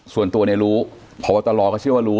ส่วนตัวในรู้พวกตรเขาเรียกว่ารู้